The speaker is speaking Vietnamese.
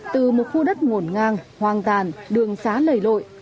từ một khu đất nguồn ngang hoang tàn đường xá lẩy lội